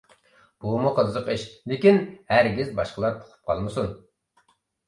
بۇمۇ قىزىق ئىش، لېكىن ھەرگىز باشقىلار ئۇقۇپ قالمىسۇن!